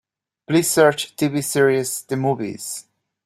Please search TV series The Movies.